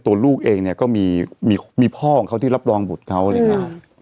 ตัวลูกเองเนี่ยก็มีพ่อของเขาที่รับรองบุตรเขาเลยนะ